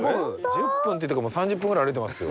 １０分っていってから３０分ぐらい歩いてますよ。